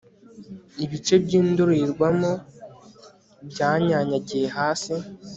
ibice by'indorerwamo byanyanyagiye hasi